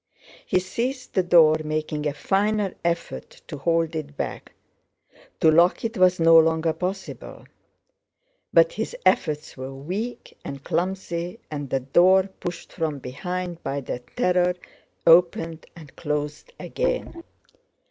He seized the door, making a final effort to hold it back—to lock it was no longer possible—but his efforts were weak and clumsy and the door, pushed from behind by that terror, opened and closed again.